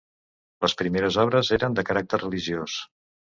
Les primeres obres eren de caràcter religiós.